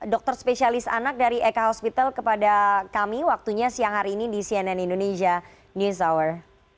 dokter spesialis anak dari ek hospital kepada kami waktunya siang hari ini di cnn indonesia news hour